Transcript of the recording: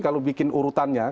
kalau bikin urutannya